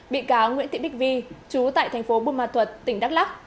bị cáo nguyễn thị bích vi chú tại thành phố bù mà thuật tỉnh đắk lắc